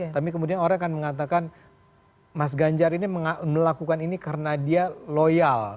tapi kemudian orang akan mengatakan mas ganjar ini melakukan ini karena dia loyal